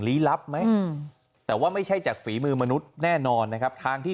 ลับไหมแต่ว่าไม่ใช่จากฝีมือมนุษย์แน่นอนนะครับทางที่